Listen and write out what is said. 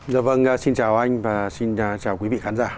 dạ vâng xin chào anh và xin chào quý vị khán giả